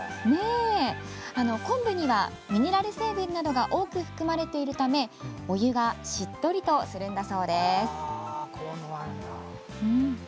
昆布にはミネラル成分などが多く含まれているためお湯がしっとりするのだそうです。